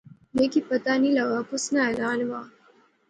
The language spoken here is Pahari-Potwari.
میں کی پتہ نی لغا کُس ناں اعلان وہا